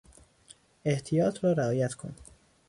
احتیاط را رعایت کن!